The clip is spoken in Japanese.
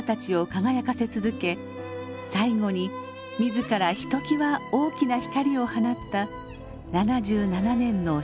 最後に自らひときわ大きな光を放った７７年の生涯でした。